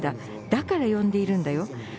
だから呼んでいるんだよ。